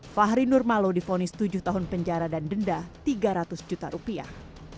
fahri nurmalo difonis tujuh tahun penjara dan denda tiga ratus juta rupiah